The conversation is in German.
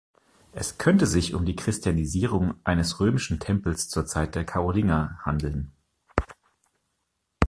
Es könnte sich um die Christianisierung eines römischen Tempels zur Zeit der Karolinger handeln.